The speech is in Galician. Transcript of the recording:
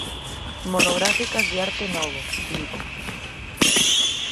Monografías de Arte Novo, Vigo: